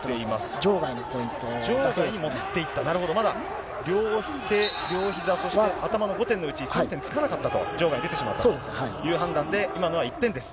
場外に持っていった、なるほど、まだ両手、両ひざ、そして頭の５点のうち、３点つかなかったと、場外出てしまったという判断で、今のは１点です。